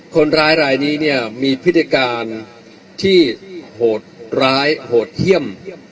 คนร้ายรายนี้เนี่ยมีพฤติการที่โหดร้ายโหดเยี่ยม